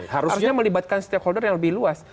harusnya melibatkan stakeholder yang lebih luas